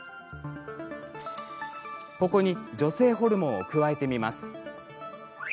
ここに女性ホルモンを加えてみます。